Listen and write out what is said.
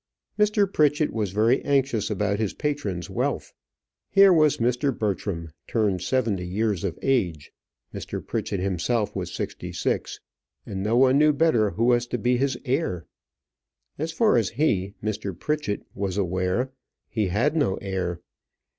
Mr. Pritchett was very anxious about his patron's wealth. Here was Mr. Bertram turned seventy years of age Mr. Pritchett himself was sixty six and no one knew who was to be his heir. As far as he, Mr. Pritchett, was aware, he had no heir.